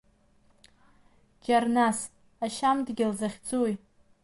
Џьарнас, ашьам дгьыл захьӡу?